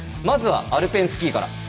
まずはアルペンスキーから。